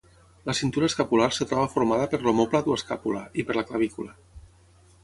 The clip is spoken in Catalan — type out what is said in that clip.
La cintura escapular es troba formada per l'omòplat o escàpula, i per la clavícula.